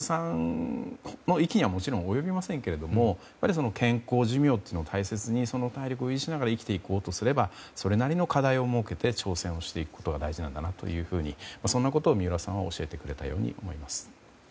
だから、三浦さんの域にはもちろん及びませんけど健康寿命を大切に体力を維持しながら生きていこうとすればそれなりの課題を設けて挑戦をしていくことが大事なんだとそんなことを三浦さんは教えてくれたように思います。